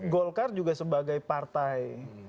golkar juga sebagai partai